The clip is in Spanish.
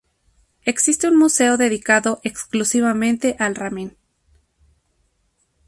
Existe un museo dedicado exclusivamente al ramen.